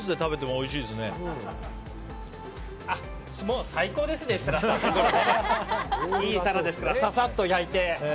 いいタラですからささっと焼いて。